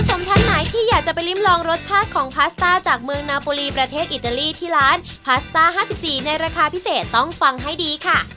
ท่านไหนที่อยากจะไปริมลองรสชาติของพาสต้าจากเมืองนาโปรีประเทศอิตาลีที่ร้านพาสต้า๕๔ในราคาพิเศษต้องฟังให้ดีค่ะ